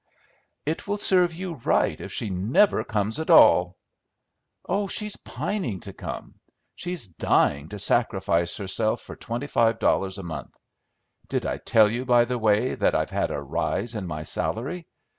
"It will serve you right if she never comes at all!" "Oh, she's pining to come. She's dying to sacrifice herself for twenty five dollars a month. Did I tell you, by the way, that I've had a rise in my salary?